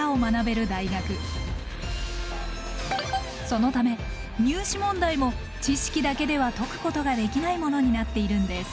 そのため入試問題も知識だけでは解くことができないものになっているんです。